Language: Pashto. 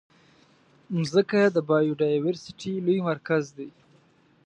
مځکه د بایوډایورسټي لوی مرکز دی.